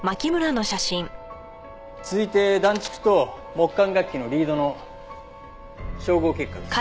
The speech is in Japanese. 続いて暖竹と木管楽器のリードの照合結果です。